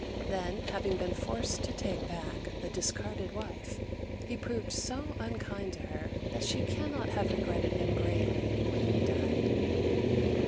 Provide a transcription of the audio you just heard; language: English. Then, having been forced to take back the discarded wife, he proved so unkind to her that she cannot have regretted him greatly when he died.